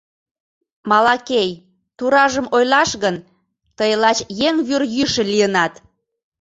Малакей, туражым ойлаш гын, тый лач еҥ вӱр йӱшӧ лийынат.